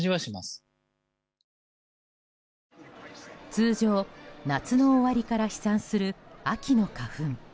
通常、夏の終わりから飛散する秋の花粉。